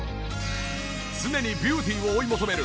常にビューティーを追い求める